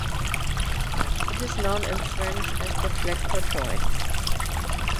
It is known in French as the "Flector" joint.